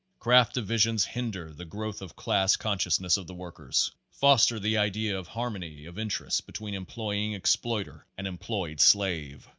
Craft divisions hinder the growth of class conscious ness of the workers, foster the idea of harmony of in terests between employing exploiter and employed slave.